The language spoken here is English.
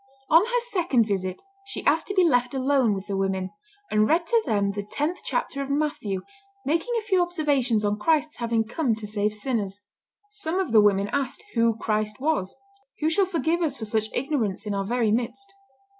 On her second visit she asked to be left alone with the women, and read to them the tenth chapter of Matthew, making a few observations on Christ's having come to save sinners. Some of the women asked who Christ was. Who shall forgive us for such ignorance in our very midst?